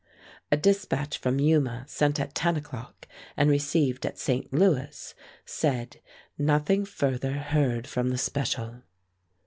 A dispatch from Yuma sent at 10 o'clock and received at St. Louis said, "Nothing further heard from the special."